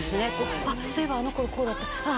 あっそういえばあの頃こうだったあっ